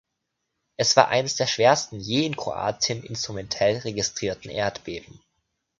Es war eines der schwersten je in Kroatien instrumentell registrierten Erdbeben.